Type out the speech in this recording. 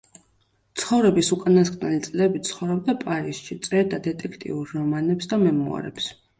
ცხოვრების უკანასკნელი წლები ცხოვრობდა პარიზში, წერდა დეტექტიურ რომანებს და მემუარებს.